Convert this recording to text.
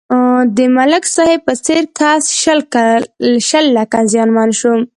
د ملک صاحب په څېر کس شل لکه زیانمن شو.